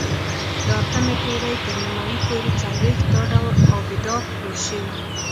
د اتمې پېړۍ تر نیمایي پورې څلوېښت دا ډول آبدات جوړ شوي